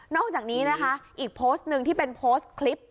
อกจากนี้นะคะอีกโพสต์หนึ่งที่เป็นโพสต์คลิป